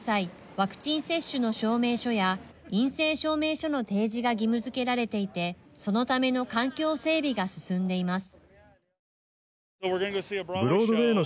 ワクチン接種の証明書や陰性証明書の提示が義務づけられていてそのための環境整備が進んでいます。